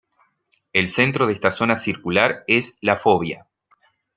El centro de esta zona circular es la fóvea.